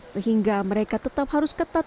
sehingga mereka tetap harus ketat